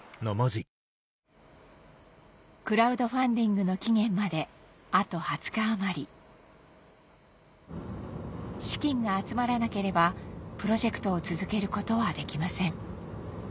クラウドファンディングの期限まであと２０日余り資金が集まらなければプロジェクトを続けることはできません